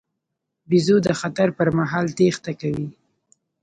بیزو د خطر پر مهال تېښته کوي.